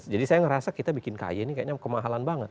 jadi saya merasa kita bikin ky ini kayaknya kemahalan banget